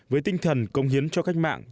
với tinh thần công hiến cho cách mạng